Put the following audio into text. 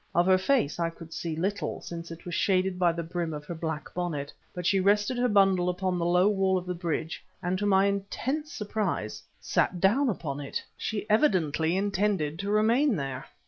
Of her face I could see little, since it was shaded by the brim of her black bonnet, but she rested her bundle upon the low wall of the bridge, and to my intense surprise, sat down upon it! She evidently intended to remain there.